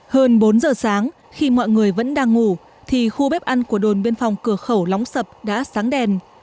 hơn bốn giờ sáng khi mọi người vẫn đang ngủ thì khu bếp ăn của đồn biên phòng cửa khẩu lóng sập đã sáng đèn